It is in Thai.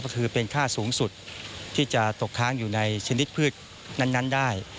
ก็คือเป็นค่าสูงสุดที่จะตกค้างอยู่ในชนิดพืชนั้นได้